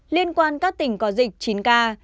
liên quan các tỉnh có dịch chín ca